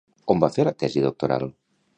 On va fer la tesi doctoral?